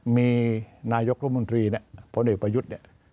มีนายกรัฐมนตรีเนี่ยพลเอกประยุทธ์เนี่ย